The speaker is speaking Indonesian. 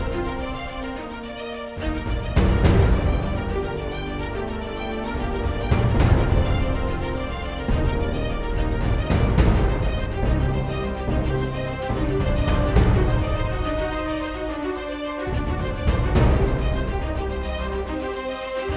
tentu dewi marah